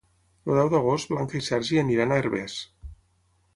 El deu d'agost na Blanca i en Sergi iran a Herbers.